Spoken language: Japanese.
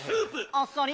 あっさり！